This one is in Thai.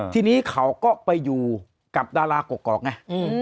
ทีนี้เขาก็ไปอยู่กับดารากรอกไง